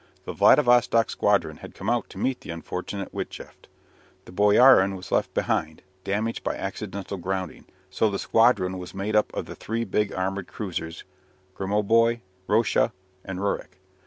The Vladivostock squadron had come out to meet the unfortunate Witjeft. The "Boyarin" was left behind, damaged by accidentally grounding, so the squadron was made up of the three big armoured cruisers "Gromoboi," "Rossia," and "Rurik."